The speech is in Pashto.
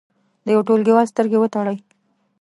د یو ټولګیوال سترګې وتړئ.